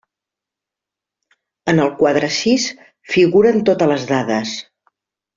En el quadre sis figuren totes les dades.